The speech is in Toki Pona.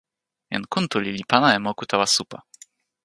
jan Kuntuli li pana e moku tawa supa.